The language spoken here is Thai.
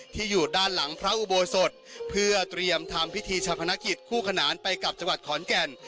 อยู่ด้านหลังพระอุโบสถเพื่อเตรียมทำพิธีชะพนักกิจคู่ขนานไปกับจังหวัดขอนแก่น